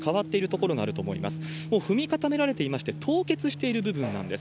こう、踏み固められていまして、凍結している部分なんです。